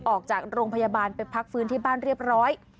ออกจากโรงพยาบาลไปพักฟื้นที่บ้านเรียบร้อย